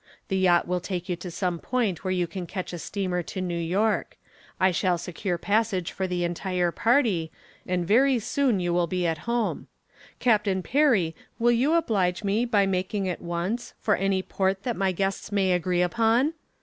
The yacht will take you to some point where you can catch a steamer to New York. I shall secure passage for the entire party and very soon you will be at home. Captain Perry, will you oblige me by making at once for any port that my guests may agree upon?"